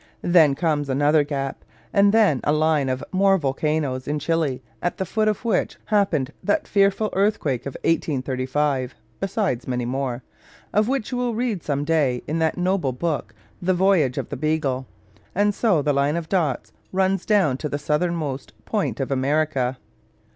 Then comes another gap; and then a line of more volcanos in Chili, at the foot of which happened that fearful earthquake of 1835 (besides many more) of which you will read some day in that noble book The Voyage of the Beagle; and so the line of dots runs down to the southernmost point of America.